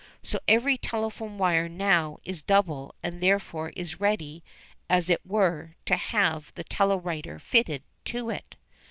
So every telephone wire now is double and therefore is ready, as it were, to have the telewriter fitted to it.